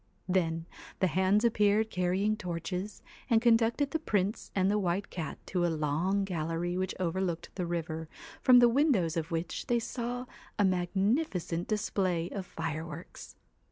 Then the hands appeared carrying torches, and conducted the Prince and the White Cat to a long gallery which overlooked the river, from the windows of which they saw a magnificent display of fireworks.